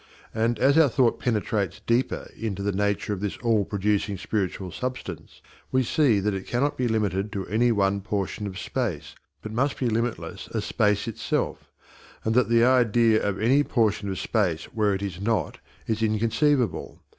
And as our thought penetrates deeper into the nature of this all producing spiritual substance we see that it cannot be limited to any one portion of space, but must be limitless as space itself, and that the idea of any portion of space where it is not is inconceivable.